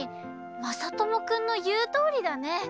まさともくんのいうとおりだね。